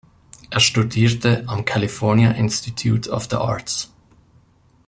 Er studierte am California Institute of the Arts.